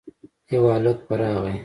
يو هلک په راغی.